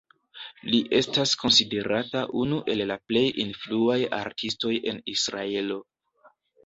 Li estas konsiderata unu el la plej influaj artistoj en Israelo.